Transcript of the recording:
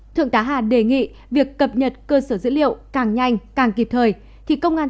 thượng tá hà đề nghị việc cập nhật cơ sở dữ liệu càng nhanh càng kịp thời